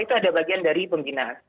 itu ada bagian dari pembinaan